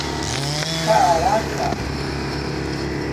Caraca!